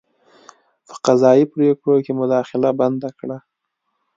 په قضايي پرېکړو کې مداخله بنده کړه.